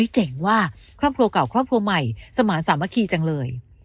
เจ๋งว่าครอบครัวเก่าครอบครัวใหม่สมานสามัคคีจังเลย